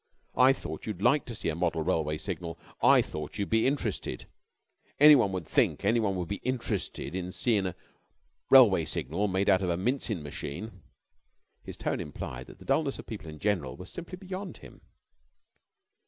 I thought you'd like to see a model railway signal. I thought you'd be interested. Anyone would think anyone would be interested in seein' a railway signal made out of a mincin' machine." His tone implied that the dullness of people in general was simply beyond him.